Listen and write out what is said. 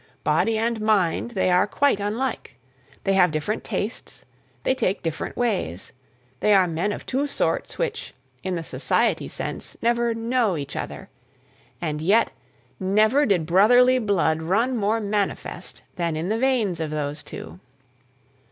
Body and mind they are quite unlike. They have different tastes; they take different ways: they are men of two sorts which, in the society sense, never "know" each other; and yet, never did brotherly blood run more manifest than in the veins of those two.